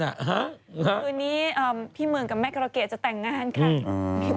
คืนนี้พี่เมืองกับแม่กรเกตจะแต่งงานค่ะ